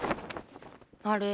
あれ？